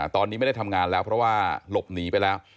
ตอนนี้ไม่ได้ทำงานแล้วเพราะว่าหลบหนีไปแล้ว